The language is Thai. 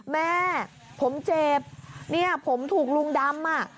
แม่ผมเจ็บผมถูกลุงดำ